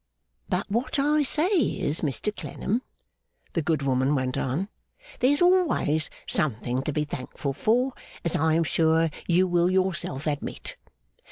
'But what I say is, Mr Clennam,' the good woman went on, 'there's always something to be thankful for, as I am sure you will yourself admit.